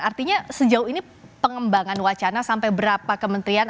artinya sejauh ini pengembangan wacana sampai berapa kementerian